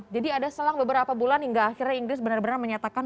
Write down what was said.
jadi ada selang beberapa bulan hingga akhirnya inggris benar benar menyatakan